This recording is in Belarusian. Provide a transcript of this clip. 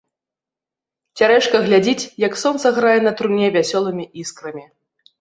Цярэшка глядзіць, як сонца грае на труне вясёлымі іскрамі.